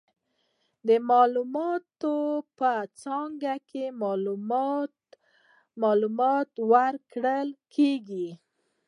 د معلوماتو په څانګه کې، معلومات ورکول کیږي.